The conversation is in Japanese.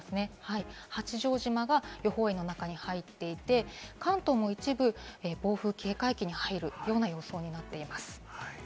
八丈島が予報円の中に入っていて、関東も一部、暴風警戒域に入る予想になっています。